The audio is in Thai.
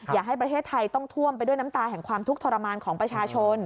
อย่าให้ประเทศไทยต้องท่วมไปด้วยน้ำตาแห่งความทุกข์ทรมานของประชาชน